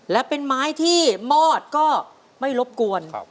และเป็นไม้ที่มอดก็ไม่รบกวน